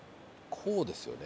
こうですよね。